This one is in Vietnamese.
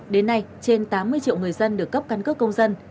đến nay trên tám mươi triệu người dân được cấp căn cước công dân